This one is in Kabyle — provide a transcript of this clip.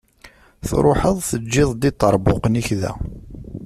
Truḥeḍ teǧǧiḍ-d iṭerbuqen-ik da.